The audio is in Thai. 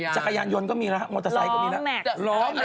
จักรยานยนต์ก็มีแล้วฮะมอเตอร์ไซค์ก็มีแล้ว